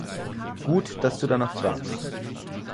Gut, dass du danach fragst.